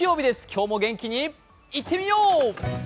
今日も元気にいってみよう！